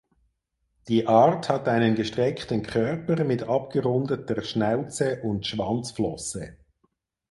Die Art hat einen gestreckten Körper mit abgerundeter Schnauze und Schwanzflosse.